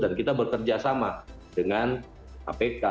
dan kita bekerja sama dengan apk